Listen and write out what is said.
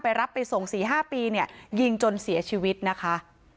รับไปส่ง๔๕ปีเนี่ยยิงจนเสียชีวิตนะคะ